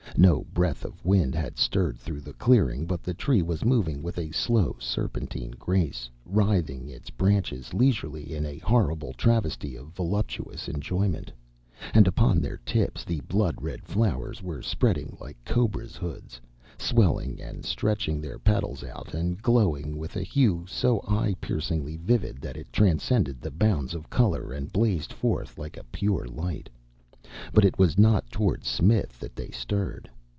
No breath of wind had stirred through the clearing, but the Tree was moving with a slow, serpentine grace, writhing its branches leisurely in a horrible travesty of voluptuous enjoyment. And upon their tips the blood red flowers were spreading like cobra's hoods, swelling and stretching their petals out and glowing with a hue so eye piercingly vivid that it transcended the bounds of color and blazed forth like pure light. But it was not toward Smith that they stirred.